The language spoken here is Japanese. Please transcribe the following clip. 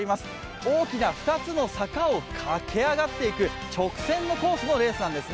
大きな２つの坂を駆け上がっていく直線のレースのコースなんですね。